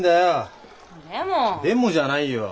「でも」じゃないよ。